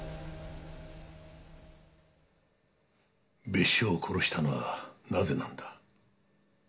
別所を殺したのはなぜなんだ？